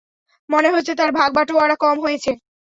মনে হচ্ছে তার ভাগ-বাঁটোয়ারা কম হয়েছে।